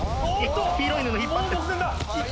黄色い布引っ張って。